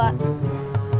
laki laki atau perempuan